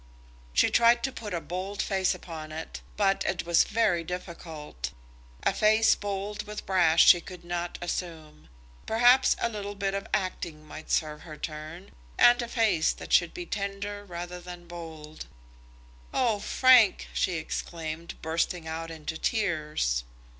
She tried to put a bold face upon it, but it was very difficult. A face bold with brass she could not assume. Perhaps a little bit of acting might serve her turn, and a face that should be tender rather than bold. "Oh, Frank!" she exclaimed, bursting out into tears.